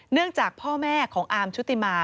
เนื่องจากพ่อแม่ของอาร์มชูติมา